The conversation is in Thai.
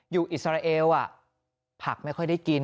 อยู่อิสระเอวผักไม่ค่อยได้กิน